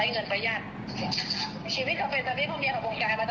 ใช้เงินประหยัดชีวิตเขาเป็นใครเมียเขางงไกมาตลอด